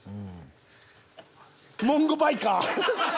モンゴバイカー！